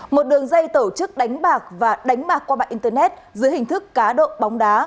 một đường dây tổ chức đánh bạc và đánh bạc qua mạng internet dưới hình thức cá độ bóng đá